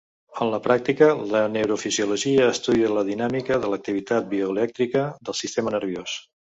En la pràctica la neurofisiologia estudia la dinàmica de l'activitat bioelèctrica del sistema nerviós.